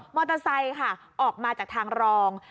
มอเตอร์ไซค์ค่ะออกมาจากทางรอง